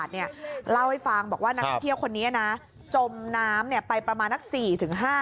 เนี่ยเล่าให้ฟังบอกว่านักท่องเที่ยวคนนี้น่ะจ่มน้ำเนี่ยไปประมาณสิบถึงห้า